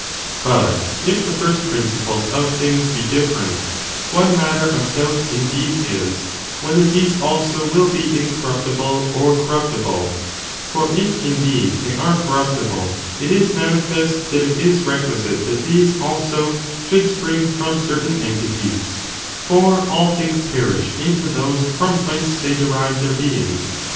6 The petition ^^*>^^*^®^^ principles of things be different, that principles one matter of doubt, indeed, is, whether these aie different, ^j^ ^j ^ incorruptible or corruptible 1 For ii^ indeed, they are corruptible, it is manifest that it is requisite that these, also, should spring from certain entities; for all things perish into those from whence they derive their being.